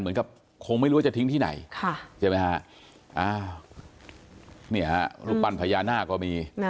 เหมือนกับคงไม่รู้ว่าจะทิ้งที่ไหนใช่ไหมฮะอ้าวนี่ฮะรูปปั้นพญานาคก็มี